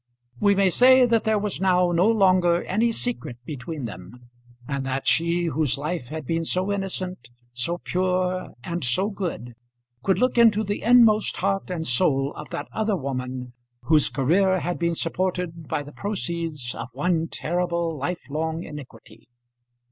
We may say that there was now no longer any secret between them, and that she whose life had been so innocent, so pure, and so good, could look into the inmost heart and soul of that other woman whose career had been supported by the proceeds of one terrible life long iniquity.